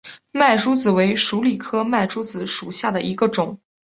麦珠子为鼠李科麦珠子属下的一个种。